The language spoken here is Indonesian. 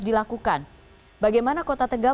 dilakukan bagaimana kota tegal